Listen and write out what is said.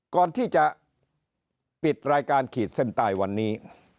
ก่อนที่จะปิดรายการขีดเส้นใต้วันนี้